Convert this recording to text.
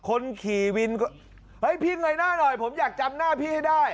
คนขี่วินก็เฮ้ยพี่เงยหน้าหน่อยผมอยากจำหน้าพี่ให้ได้